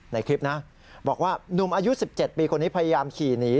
ในคลิปนะบอกว่าหนุ่มอายุ๑๗ปีคนนี้พยายามขี่หนี